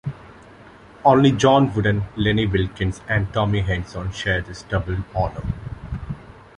Only John Wooden, Lenny Wilkens and Tommy Heinsohn share this double honor.